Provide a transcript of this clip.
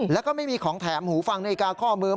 แล้วก็ไม่มีของแถมหูฟังนาฬิกาข้อมือ